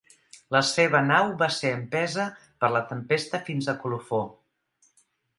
La seva nau va ser empesa per la tempesta fins a Colofó.